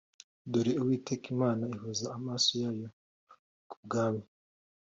Dore Uwiteka Imana ihoza amaso yayo ku bwami